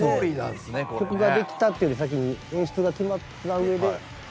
曲ができたっていうより先に演出が決まったうえで。